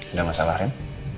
udah masalah rem